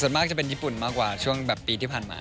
ส่วนมากจะเป็นญี่ปุ่นมากกว่าช่วงแบบปีที่ผ่านมา